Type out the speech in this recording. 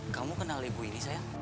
kamu kenal ibu ini saya